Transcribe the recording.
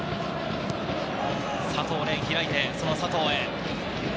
佐藤漣、開いてその佐藤へ。